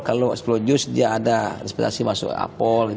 kalau sepuluh jus dia ada inspirasi masuk apol